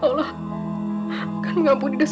dedek apa porte dapur kita sama